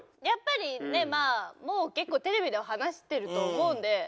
やっぱりねもう結構テレビでは話してると思うんで。